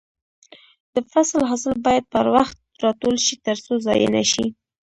د فصل حاصل باید پر وخت راټول شي ترڅو ضايع نشي.